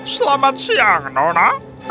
selamat siang nona